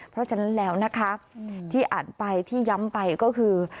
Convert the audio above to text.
เพราะฉะนั้นแล้วนะคะที่อ่านไปที่ย้ำไปก็คือ